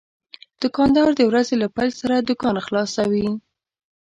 دوکاندار د ورځې له پېل سره دوکان خلاصوي.